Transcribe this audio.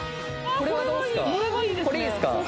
これいいですか？